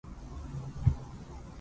あなたとならいつでもどこでも幸せです